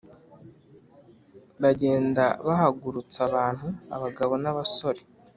Bagenda bahagurutsa abantu abagabo n’abasore